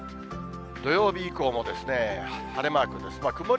土曜日以降も、晴れマークです。